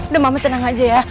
udah mama tenang aja ya